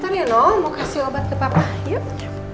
ntar yono mau kasih obat ke papa yuk